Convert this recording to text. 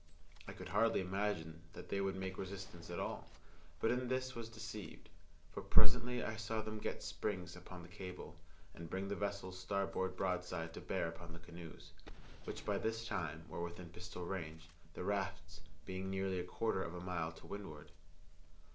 I could hardly imagine that they would make resistance at all, but in this was deceived; for presently I saw them get springs upon the cable, and bring the vessel's starboard broadside to bear upon the canoes, which by this time were within pistol range, the rafts being nearly a quarter of a mile to windward.